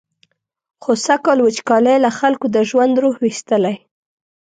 خو سږکال وچکالۍ له خلکو د ژوند روح ویستلی.